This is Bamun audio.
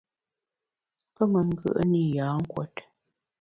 Pe me ngùe’ne i yâ nkùot.